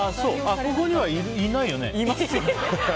ここにはいる？いないよね？